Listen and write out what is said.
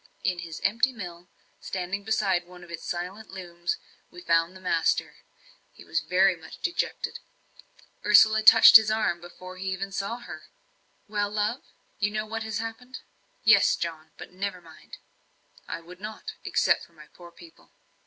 In his empty mill, standing beside one of its silenced looms, we found the master. He was very much dejected Ursula touched his arm before he even saw her. "Well, love you know what has happened?" "Yes, John. But never mind." "I would not except for my poor people."